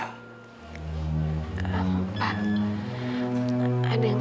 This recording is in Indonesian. kamu harus beristirahat